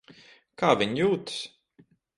Kā viņa jūtas?